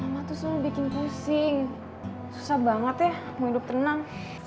mama tuh selalu bikin pusing susah banget ya hidup tenang